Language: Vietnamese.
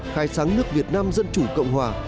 khai sáng nước việt nam dân chủ cộng hòa